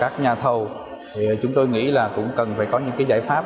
các nhà thầu thì chúng tôi nghĩ là cũng cần phải có những cái giải pháp